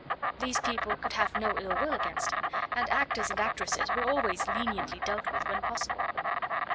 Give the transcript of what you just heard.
These people could have no ill will against her, and actors and actresses were always leniently dealt with when possible.